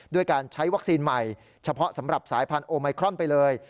ด้วยการใช้วัคซีนใหม่เฉพาะสำหรับสายพันธุไมครอนไปเลย